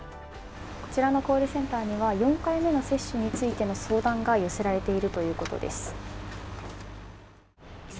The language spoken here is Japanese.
こちちのコールセンターでは４回目の接種についての相談が寄せられているということです。